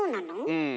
うん。